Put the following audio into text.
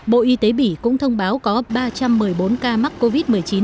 bộ y tế bỉ cũng thông báo có ba trăm một mươi bốn ca mắc covid một mươi chín